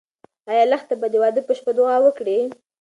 ایا لښته به د واده په شپه دعا وکړي؟